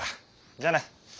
じゃあな。